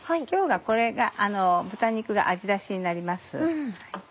今日はこれが豚肉が味出しになります。